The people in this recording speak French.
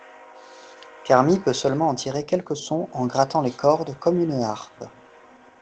Carmi peut seulement en tirer quelques sons en grattant les cordes comme une harpe.